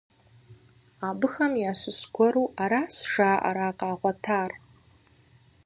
Абыхэм ящыщ гуэру аращ жаӏэр а къагъуэтар.